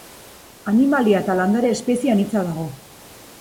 Animalia eta landare espezie anitza dago.